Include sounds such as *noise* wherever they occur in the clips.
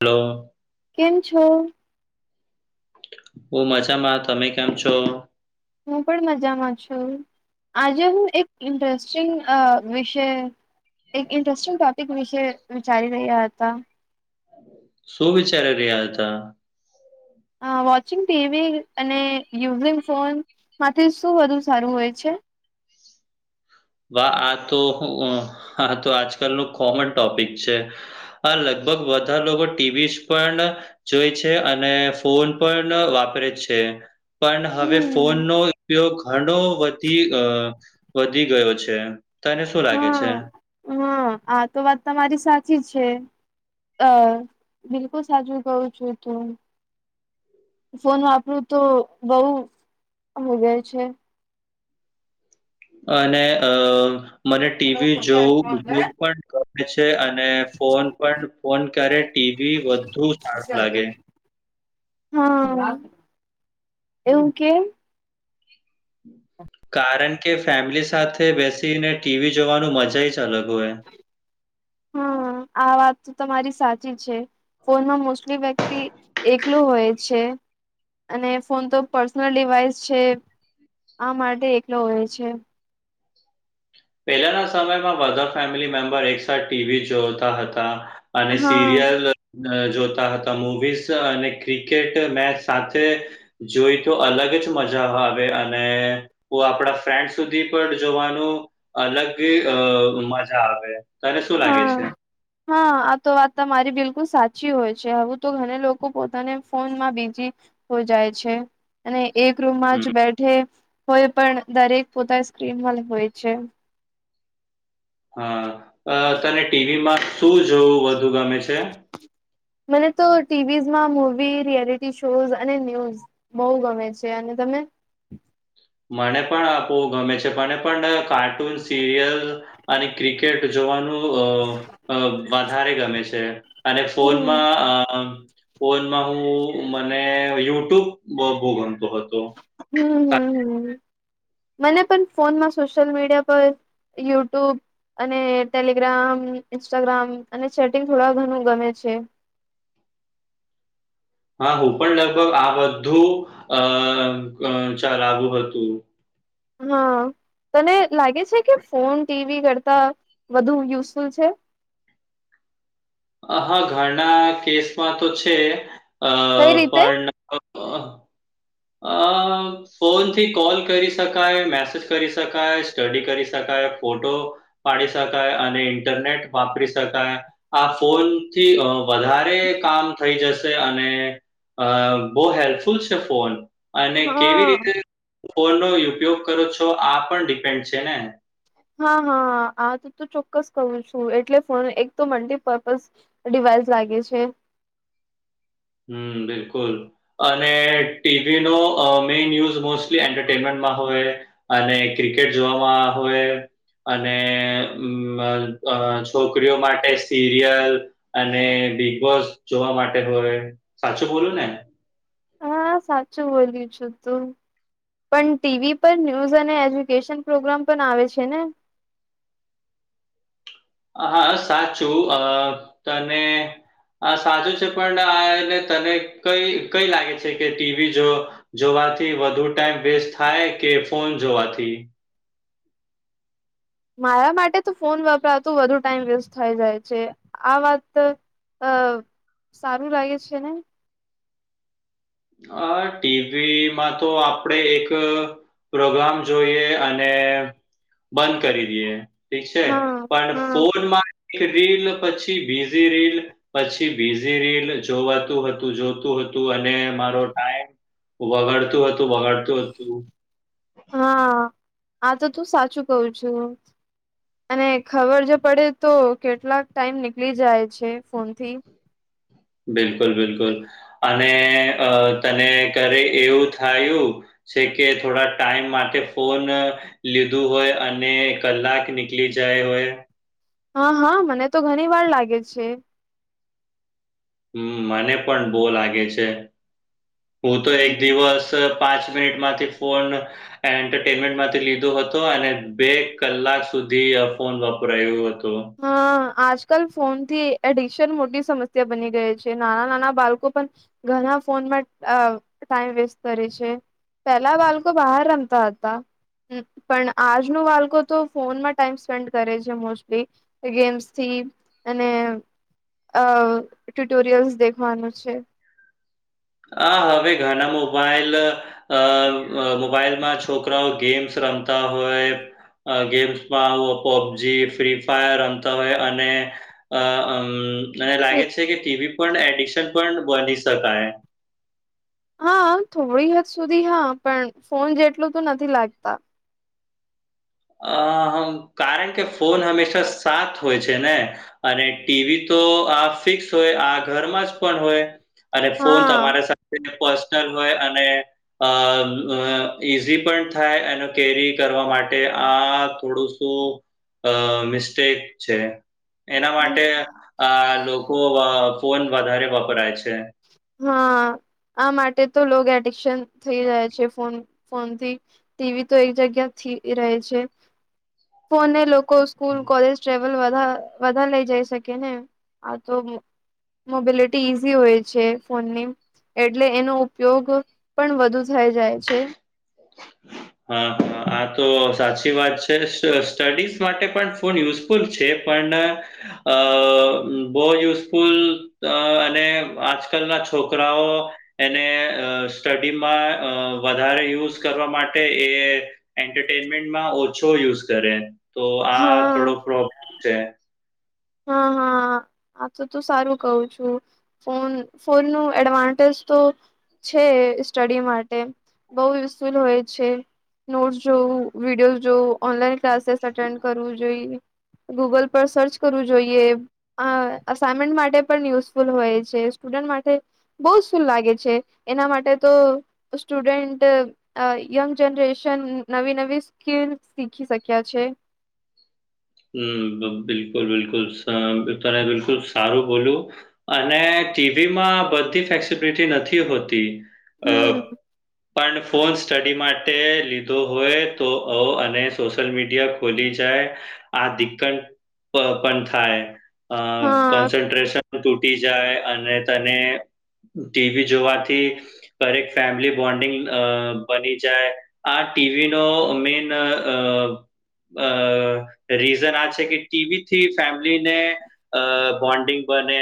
Hello. કેમ છો? ઓ મજામાં તમે કેમ છો? હું પણ મજામાં છું. આજે હું એક ઇન્ટરેસ્ટિંગ વિષય એક ઇન્ટરેસ્ટિંગ ટોપિક વિશે વિચારી રહ્યા હતા. શું વિચારી રહ્યા હતા? અ વોચિંગ ટીવી અને યુઝિંગ ફોન માંથી શું વધુ સારું હોય છે? વા આ તો આ તો આજકાલનું કોમન ટોપિક છે. અ લગભગ બધા લોકો ટીવીસ પણ જોઈ છે અને ફોન પણ વાપરે છે. પણ હવે હમ્મ. ફોનનો ઉપયોગ ઘણો વધી વધી ગયો છે. તને શું લાગે છે? હા. હા આ તો વાત તમારી સાચી જ છે. અ બિલકુલ સાચું કહ્યું છે તું. ફોન વાપરું તો બઉ હોગય છે. અને અ મને ટીવી જોવું એટલું પણ ગમે છે અને ફોન પણ ફોન કયારે ટીવી વધુ સાર્પ લાગે. હા એવું કે? કારણ કે ફેમિલી સાથે બેસીને ટીવી જોવાનું મજા યે જ અલગ હોય. *inaudible* હા આ વાતતો તમારી સાચી જ છે. ફોનમાં મોસ્ટલી વ્યક્તિ એકલો હોય છે. અને ફોન તો પર્સનલ ડિવાઈસ છે આ માટે એકલો હોય છે. પહેલાના સમયમાં બધા ફેમિલી મેમ્બર એક સાથે ટીવી જોતા હતા. અને હા સિરિયલ અ જોતા હતા મુવીઝ અને ક્રિકેટ મેચ સાથે જોઈ તો અલગ જ મજા આવે અને કો આપણા ફ્રેન્ડ સુધી પણ જોવાનું અલગ અ મજા આવે. તને શું લાગે છે? હા. હા આ તો વાત તમારી બિલકુલ સાચી હોય છે આવું તો ઘને લોકો પોતાને ફોનમાં બીજી હો જાય છે. અને એક રૂમમાં હમ, જ બેઠે હોય પણ દરેક પોતાની સ્ક્રીન અલગ હોય છે. હા અ તને ટીવીમાં શું જોવું વધુ ગમે છે? મને તો ટીવીઝ માં મૂવી રિયાલિટી શોઝ અને ન્યૂઝ બઉ ગમે છે અને તમને? મને પણ બવ ગમે છે. મને પણ કાર્ટૂન, સિરિયલ અને ક્રિકે ક્રિકેટ જોવાનું વધારે ગમે છે. અને હમ ફોનમાં અ ફોનમાં હું મને યુટ્યુબ બો બો ગમતું હતું. હમમ હમમ હમમ મને પણ ફોનમાં સોશિયલ મીડિયા પર યુટ્યુબ અને ટેલિગ્રામ, ઇન્સ્ટાગ્રામ અને ચેટિંગ થોડા ઘણું ગમે છે. હા હું પણ લગભગ આ બધું અ ક ચલાવુ હતું. હા તને લાગે છે કે ફોન ટીવી કરતા વધુ યુઝફુલ છે? આહા ઘણા કેસમાં તો છે અ કઈ રીતે પણ અ, અ ફોનથી કોલ કરી શકાય, મેસેજ કરી શકાય, સ્ટડી કરી શકાય, ફોટો પાડી શકાય અને ઇન્ટરનેટ વાપરી શકાય. આ ફોન થી વધારે કામ થઈ જશ. જસે અને અ બવ હેલ્પફુલ છે ફોન અને હા કેવી રીતે ફોન નો ઉપયોગ કરો છો આ પણ ડિપેન્ડ છે ને. હા હા આતો ચોક્કસ કહુ છું એટલે ફોન એક તો મલ્ટીપર્પઝ ડિવાઈસ લાગે છે. હમ્મ બિલકુલ, અને ટીવી નો મેઇન ન્યુઝ મોસ્ટ એન્ટરટેનમેન્ટમાં હોય, અને ક્રિકેટ જોવામાં હોય. અને છોકરીઓ માટે સિરિયલ. અને બિગબોસ જોવા માટે હોય સાચું બોલું ને. હા સાચું બોલ્યું છું તું. પણ ટીવી પર ન્યુઝ અને એજ્યુકેશન પ્રોગ્રામ પણ આવે છે ને. હા સાચું અ તને આ સાચું છે પણ આને તને કઈ કઈ લાગે છે કે ટીવી જો જોવાથી વધુ ટાઈમ વેસ્ટ થાય કે ફોન જોવાથી? મારા માટે તો ફોન વપરાતું વધુ ટાઈમ વેસ્ટ થઈ જાય છે, આ વાત અ સારું લાગે છે ને? અ ટીવીમાં તો આપડે એક પ્રોગ્રામ જોઈએ અને બંધ કરી દઈએ. ઠીક છે, હા પણ હા ફોનમાં એક રીલ પછી બીઝી રીલ. પછી બીઝી રીલ જોવાતું હતું જોતું હતું અને મારો ટાઈમ વગાડતું હતું વગાડતું હતું. હા, આ તો તું સાચું કવું છું. અને ખબર જો પડે તો કેટલાક ટાઈમ નીકળી જાય છે ફોનથી. બિલકુલ બિલકુલ, અને તને ઘરે એવું થયું. છે કે થોડા ટાઈમ માટે ફોન લીધું હોય અને કલાક નીકળી જાય હોય? હા હા મને તો ઘણી વાર લાગે છે. હમ મને પણ બહ લાગે છે, હું તો એક હમ દિવસ પાંચ મિનિટમાંથી ફોન એન્ટરટેનમેન્ટ માંથી લીધો હતો અને બે કલાક સુધી આ ફોન વાપરાયું હતો. *inaudible* હા આજકાલ ફોન થી એડિક્શન મોટી સમસ્યા બની ગઈ છે નાના નાના બાળકો પણ ઘણા ફોનમાં ટાઈમ વેસ્ટ કરે છે. પેલા બાળકો બહાર રમતા હતા. હ પણ આજનું બાળકો તો ફોનમાં ટાઈમ સ્પેન્ડ કરે છે મોસ્ટલી. ગેમ્સથી, અને અ ટુટોરિયલ્સ દેખવાનું છે. હ હવે ઘણા મોબાઈલ અ મોબાઈલમાં છોકરાઓ ગેમ્સ રમતા હોય. ગેમ્સમાં પબજી ફ્રી ફાયર રમતા હોય અને અ મને લાગે છે કે ટીવી પણ એડિક્શન પણ બની શકાય. હા થોડી હદ સુધી હા પણ ફોન જેટલું તો નથી લાગતા. અ કારણ કે ફોન હમેશા સાથ હોય છે ને. અને ટીવી તો આ ફિક્સ હોય આ ઘરમાં જ પણ હોય, અને ફોન હા તમારા તે પર્સનલ હોય અને અ ઈઝી પણ થાય એનો કેરી કરવા માટે. માટે આ થોડું શું અ મિસ્ટેક છે. એના હમ. માટે આ લોકો ફોન વધારે વપરાય છે. હા, આ માટે તો લોગ એડિકશન થઈ જાય છે ફોન. ફોન થી, ટીવી તો એક જગ્યા થી રહે છે, ફો એ લોકો સ્કૂલ કોલેજ ટ્રેવલ વધા વધાર લઈ જઈ શકે ને આ તો મોબલિટી ઇઝી હોય છે ફોનની એટલે એનો ઉપયોગ પણ વધુ થઈ જાય છે હા હા આ તો સાચી વાત છે સ સ્ટડીઝ માટે પણ ફોન યુઝ ફૂલ છે પણ અ બો યુઝફુલ અ અને આજકાલ ના છોકરાઓ એને અ સ્ટડીમાં વધારે યુઝ કરવા માટે એ એન્ટરટેઇનમેન્ટ ઓછો યુઝ કરે તો હા થીડો પ્રો છે હ હ આ તો તું સારું કવ છું ફોન ફોન નો એડવાન્ટેજ તો છે સ્ટડી માટે બઉ યુઝફુલ હોય છે નોટસ જોઉં વિડીયો જોઉ ઓનલાઈન ક્લાસીસ અટેન્ડ કરવું જોઈએ ગૂગલ પર સર્ચ કરવું જોઈએ અ અસાઇમેન્ટ માટે પણ યુઝફુલ હોય છે સ્ટુડન્ટ માટે બઉં સુું લાગે છે એના માટે તો સ્ટુડન્ટ અ યંગ જનરેશન નવી નવી સ્કીલ શીખી શક્યા છે હમ્મ બિલકુલ બિલકુલ *unintelligible* તને બિલકુલ સારું બોલુ અને ટીવીમાં બધી ફ્લેક્સિબિલિટી નથી હોતી અ હમ પણ ફોન સ્ટડી માટે લીધો હોય તો અ અને સોશિયલ મીડિયા ખોલી જાય આ દીકંટ પ પણ થાય અ હા કોન્સન્ટ્રેશન તૂટી જાય અને તને ટી. વી. જોવાથી હરેક ફેમિલી બોન્ડિંગ અ બની જાય આ ટી. વી. નો મેન અ અ રીઝન આ છે કે ટી. વી. થી ફેમિલીને અ બોન્ડિંગ બને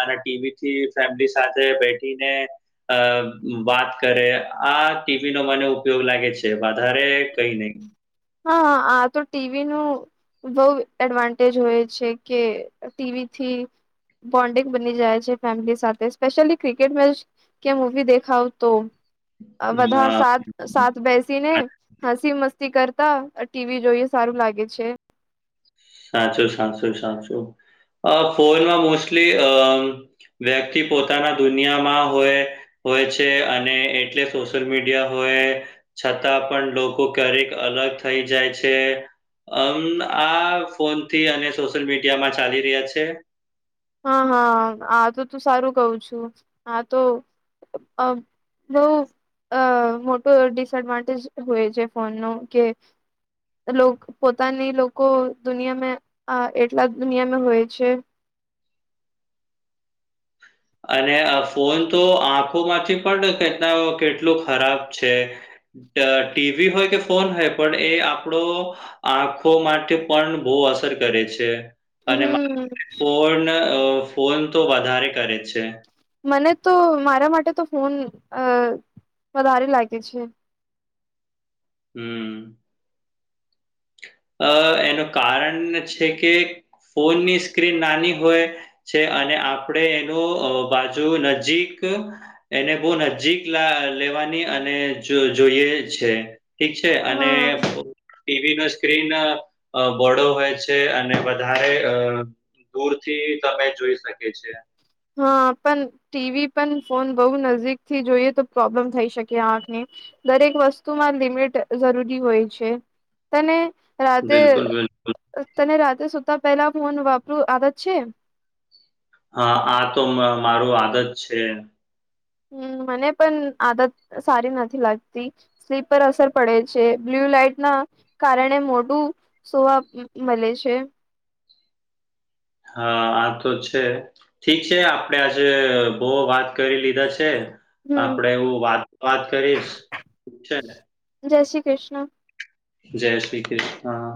અને ટી. વી. થી ફેમિલી સાથે બેઠીને અ વાત કરે આ ટી. વી. નો મને ઉપયોગ લાગે છે વધારે કઈ નઈ હા આ તો ટી. વી. નું બઉ એડવાન્ટેજ હોય છે કે ટી. વી. થી બોન્ડિંગ બની જાય છે ફેમિલી સાથે સ્પેશયલી ક્રિકેટ મેચ કે મૂવી દેખાવ તો અ બધા હા સાત સાત બેસીને હસી મસ્તી કરતા ટી. વી. જોઈએ સારું લાગે છે. સાચું સાચું સાચું અ ફોનમાં મોસ્ટલી અ વ્યક્તિ પોતાના દુનિયામાં હોય હોય છે અને એટલે સોશિયલ મીડિયા હોય છતાં પણ લોકો ક્યારેક અલગ થઈ જાય છે અમ આ ફોન થી અને સોશિયલ મીડિયામાં ચાલી રહ્યા છે હા હા આ તો તું સારું કવ છું આ તો અ બઉ અ મોટું ડિસએડવાન્ટેજ હોય છે ફોનો કે લોક પોતાની લોકો દુનિયામે આ એટલા દુનિયામે હોય છે અને આ ફોન તો આંખોમાંથી પણ કેટલા ઓ કેટલું ખરાબ છે અ ટી. વી. હોય કે ફોન હોય પણ એ આપડો આંખો માટે પણ બો અસર કરે છે. અહ અને હમ્મ ફોન ફોન તો વધારે કરે છે. મને તો મારા માટે તો ફોન અ વધારે લાગે છે. હમ. અ એનું કારણ છે કે ફોનની સ્ક્રીન નાની હોય. છે અને આપડે એનું બાજુ નજીક. એને બહુ નજીક લેવાની અને જોઈએ છે. ઠીક છે અને હા ટીવી ન સ્ક્રીન બોડો હોય છે અને વધારે અ દૂર થી તમે જોઈ શકે છે. હા પણ ટીવી પણ ફોન બહુ નજીકથી જોઈએ તો પ્રોબ્લેમ થઈ શકે આંખને. દરેક વસ્તુમાં લિમિટ જરૂરી હોય છે, તને રાતે બિલકુલ, બિલકુલ. તને રાતે સુતા પહેલા ફોન વાપરું આદત છે? હા આ તો મારું આદત છે. હમ મને પણ આદત સારી નથી લાગતી. સ્લીપ પર અસર પડે છે બ્લ્યુ લાઈટ ના, કારણે મોટું સોવા મળે છે. હા આ તો છે. ઠીક છે આપડે આજે બહ વાત કરી લીધા છે. હમ આપડે એવું વાત વાત કરીશક, છે ને. જય શ્રી કૃષ્ણ. જય શ્રી કૃષ્ણ.